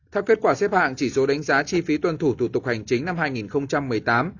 theo kết quả xếp hạng chỉ số đánh giá chi phí tuân thủ thủ tục hành chính năm hai nghìn một mươi tám